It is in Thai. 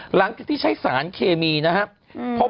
หลังจากที่ใช้สารเคมีนะครับ